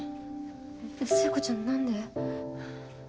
聖子ちゃん何で？